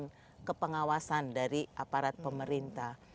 dengan kepengawasan dari aparat pemerintah